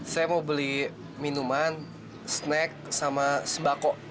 saya mau beli minuman snack sama sembako